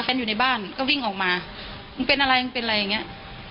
อยู่ในบ้านก็วิ่งออกมามึงเป็นอะไรมึงเป็นอะไรอย่างเงี้ย